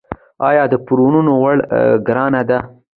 آیا د پورونو ورکړه ګرانه ده؟